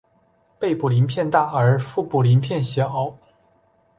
背部鳞片大而腹部鳞片小。